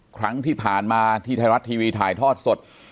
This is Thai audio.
ครั้งที่ผ่านมาที่ไทยรัฐทีวีถ่ายทอดสด